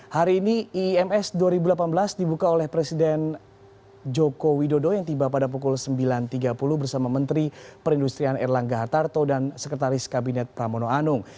hari ini ims dua ribu delapan belas dibuka oleh presiden joko widodo yang tiba pada pukul sembilan tiga puluh bersama menteri perindustrian erlangga hartarto dan sekretaris kabinet pramono anung